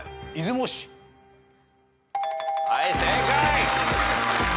はい正解。